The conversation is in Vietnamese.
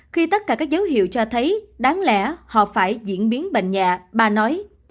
khi tất cả các dấu hiệu cho thấy đáng lẽ họ phải diễn biến bệnh nhạc bà nói